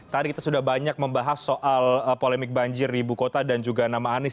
tadi kita sudah banyak membahas soal polemik banjir di ibu kota dan juga nama anies